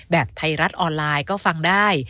ไทยรัฐออนไลน์ก็ฟังได้